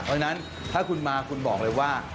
เพราะฉะนั้นถ้าคุณมาคุณบอกเลยว่า